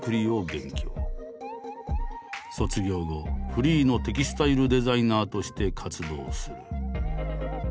卒業後フリーのテキスタイルデザイナーとして活動する。